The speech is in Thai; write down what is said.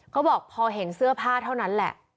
เขาบอกพอเห็นเสื้อผ้าเท่านั้นแหละ